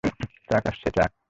Truck আসছে, truck.